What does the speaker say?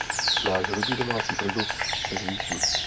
Náš hrubý domácí produkt se zvýší.